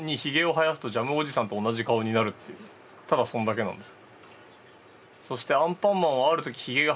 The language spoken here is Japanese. ただそんだけなんです。